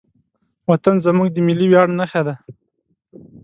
وطن زموږ د ملي ویاړ نښه ده.